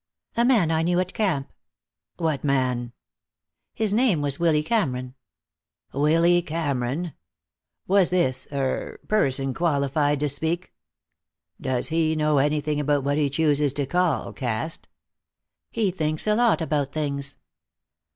"A man I knew at camp." "What man?" "His name was Willy Cameron." "Willy Cameron! Was this er person qualified to speak? Does he know anything about what he chooses to call caste?" "He thinks a lot about things."